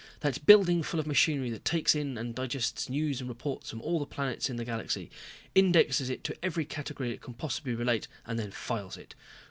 That building full of machinery that takes in and digests news and reports from all the planets in the galaxy, indexes it to every category it can possibly relate, then files it.